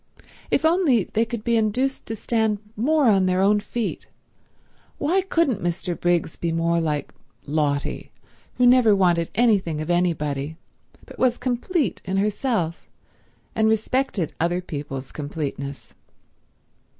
If only they could be induced to stand more on their own feet. Why couldn't Mr. Briggs be more like Lotty, who never wanted anything of anybody, but was complete in herself and respected other people's completeness?